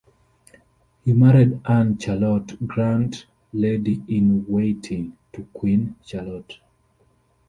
He married Anne Charlotte Grant, lady in waiting to Queen Charlotte.